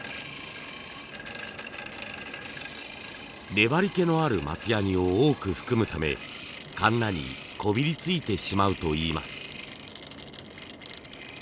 粘りけのある松ヤニを多く含むためカンナにこびりついてしまうといいます。